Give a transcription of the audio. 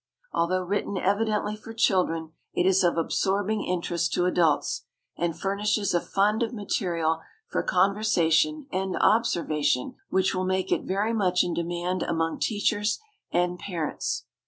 Although written evidently for children it is of absorbing interest to adults, and furnishes a fund of material for conversation and observation which will make it very much in demand among teachers and parents.